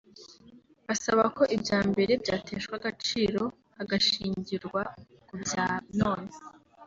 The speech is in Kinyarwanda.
basaba ko ibyambere byateshwa agaciro hagashingirwa ku bya none